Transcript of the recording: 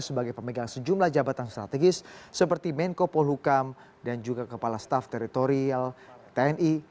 sebagai pemegang sejumlah jabatan strategis seperti menko polhukam dan juga kepala staff teritorial tni